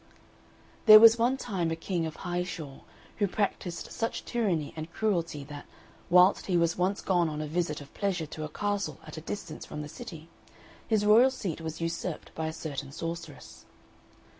There was one time a King of High Shore, who practised such tyranny and cruelty that, whilst he was once gone on a visit of pleasure to a castle at a distance from the city, his royal seat was usurped by a certain sorceress.